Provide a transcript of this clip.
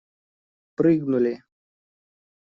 Прыгнули!